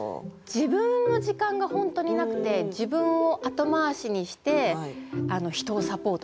自分の時間が本当になくて自分を後回しにして人をサポートする。